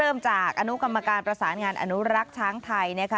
เริ่มจากอนุกรรมการประสานงานอนุรักษ์ช้างไทยนะคะ